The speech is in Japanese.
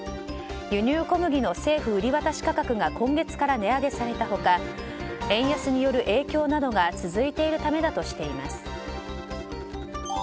輸入小麦の政府売り渡し価格が今月から値上げされた他円安による影響などが続いているためだとしています。